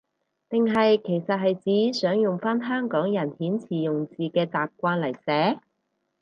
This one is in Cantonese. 定係其實係指想用返香港人遣詞用字嘅習慣嚟寫？